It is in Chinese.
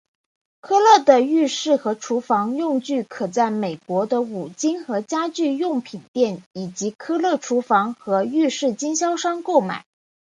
科勒的浴室和厨房用具可在美国的五金和家居用品店以及科勒厨房和浴室经销商购买。